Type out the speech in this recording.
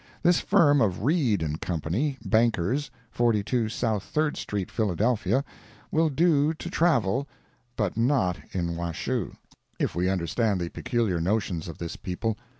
This firm of Read & Co., Bankers, 42 South Third street, Philadelphia, will do to travel—but not in Washoe, if we understand the peculiar notions of this people.